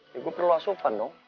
ya gua perlu asupan dong